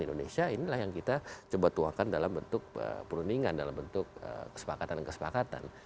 indonesia inilah yang kita coba tuakan dalam bentuk perundingan dalam bentuk kesepakatan dan kesepakatan